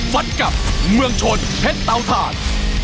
ฟัดกับเมืองชนเพชรเตาถ่าน